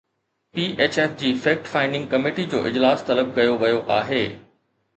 P H F جي fact finding committee جو اجلاس طلب ڪيو ويو آهي